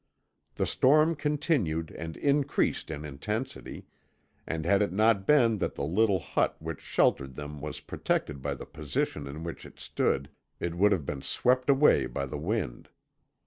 The storm continued and increased in intensity, and had it not been that the little hut which sheltered them was protected by the position in which it stood, it would have been swept away by the wind.